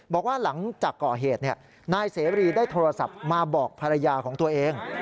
บอกว่าหลังจากก่อเหตุนายเสรีได้โทรศัพท์มาบอกภรรยาของตัวเอง